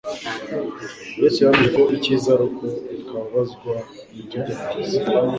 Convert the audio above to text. Yesu yahamije ko icyiza ari uko twababazwa n'ibitugerageza